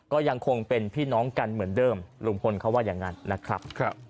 ก็ยังคงเป็นพี่น้องกันเหมือนเดิมลุงพลเขาว่าอย่างนั้นนะครับ